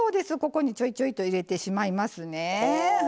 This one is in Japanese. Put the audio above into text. ここにちょいちょいと入れてしまいますね。